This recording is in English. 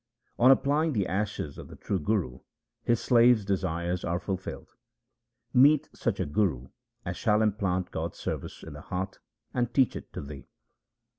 On applying the ashes of the true Guru his slave's desires are fulfilled. Meet such a guru as shall implant God's service in the heart and teach it to thee.